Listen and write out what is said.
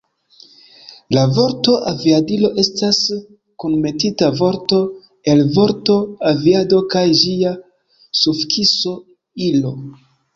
La vorto Aviadilo estas kunmetita vorto el vorto aviado kaj ĝia sufikso, -ilo.